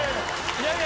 いやいや。